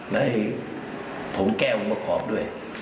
และให้ผมแก้วงกรอบด้วย